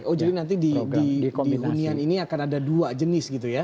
oh jadi nanti di hunian ini akan ada dua jenis gitu ya